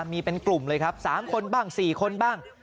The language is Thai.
มีเป็นกลุ่มเลยครับ๓คนบ้าง๔คนบ้าง